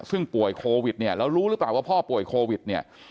ซึ่งป่วยโควิดเนี่ยแล้วรู้หรือเปล่าว่าพ่อป่วยโควิดเนี่ย